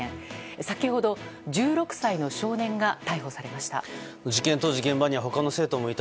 先ほど１６歳の少年が逮捕されました。